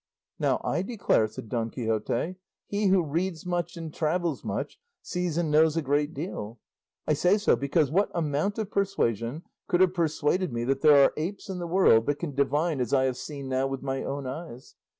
"Now I declare," said Don Quixote, "he who reads much and travels much sees and knows a great deal. I say so because what amount of persuasion could have persuaded me that there are apes in the world that can divine as I have seen now with my own eyes?